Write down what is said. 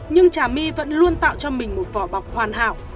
nhưng trà my vẫn luôn tạo cho mình một vỏ bọc hoàn hảo